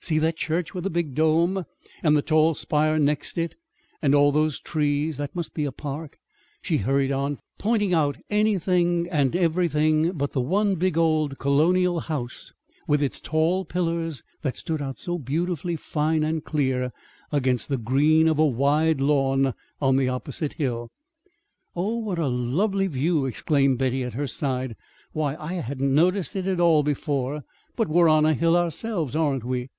"See that church with the big dome, and the tall spire next it; and all those trees that must be a park," she hurried on, pointing out anything and everything but the one big old colonial house with its tall pillars that stood out so beautifully fine and clear against the green of a wide lawn on the opposite hill. "Oh h! what a lovely view!" exclaimed Betty, at her side. "Why, I hadn't noticed it at all before, but we're on a hill ourselves, aren't we?"